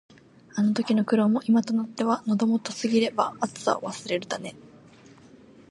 あの時の苦労も、今となっては「喉元過ぎれば熱さを忘れる」だね。